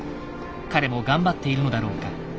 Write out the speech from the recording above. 彼も頑張っているのだろうか。